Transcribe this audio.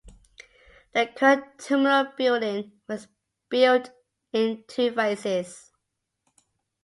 The current terminal building was built in two phases.